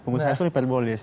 pengusaha itu hiperbolis